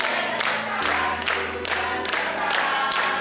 jatah jatah jatah